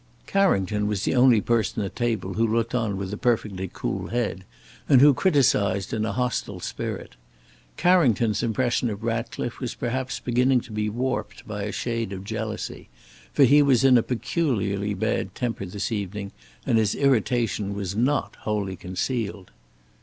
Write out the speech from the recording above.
Carrington was the only person at table who looked on with a perfectly cool head, and who criticised in a hostile spirit. Carrington's impression of Ratcliffe was perhaps beginning to be warped by a shade of jealousy, for he was in a peculiarly bad temper this evening, and his irritation was not wholly concealed.